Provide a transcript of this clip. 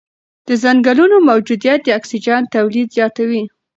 د ځنګلونو موجودیت د اکسیجن تولید زیاتوي.